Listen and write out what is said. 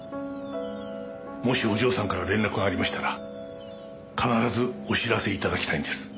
もしお嬢さんから連絡がありましたら必ずお知らせ頂きたいんです。